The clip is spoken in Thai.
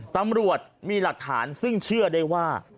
ตำรวจมีหลักฐานซึ่งเชื่อได้ว่า